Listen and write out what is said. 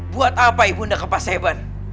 buat apa ibu nda ke pasheban